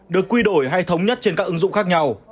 được quy đổi hay thống nhất trên các ứng dụng khác nhau